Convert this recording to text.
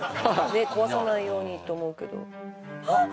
ねっ壊さないようにと思うけどあっ